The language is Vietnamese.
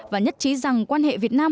và nhất trí rằng quan hệ việt nam